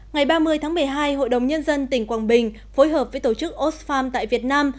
ngày ba mươi tháng một mươi hai hội đồng nhân dân tỉnh quảng bình phối hợp với tổ chức osfarm tại việt nam